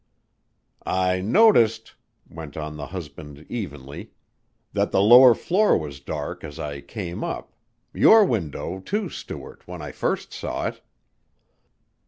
"I noticed," went on the husband evenly, "that the lower floor was dark, as I came up ... your window, too, Stuart, when I first saw it."